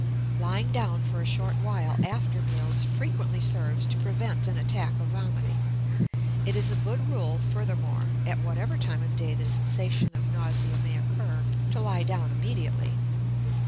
Lying down for a short while after meals frequently serves to prevent an attack of vomiting. It is a good rule, furthermore, at whatever time of day the sensation of nausea may occur, to lie down immediately.